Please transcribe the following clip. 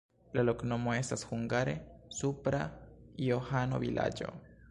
La loknomo estas hungare: supra-Johano-vilaĝo.